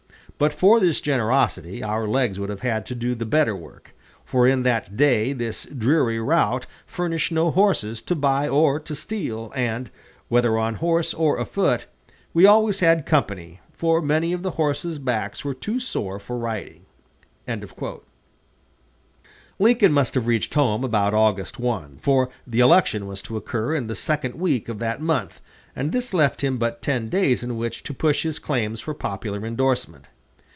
But for this generosity our legs would have had to do the better work; for in that day this dreary route furnished no horses to buy or to steal, and, whether on horse or afoot, we always had company, for many of the horses' backs were too sore for riding." Lincoln must have reached home about August 1, for the election was to occur in the second week of that month, and this left him but ten days in which to push his claims for popular indorsement.